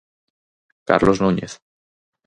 Carlos Núñez.